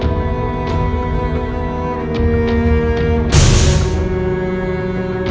ที่สุดท้ายที่สุดท้าย